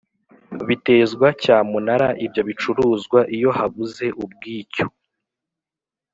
Bitezwa cyamunara ibyo bicuruzwa iyo habuze ubwicyu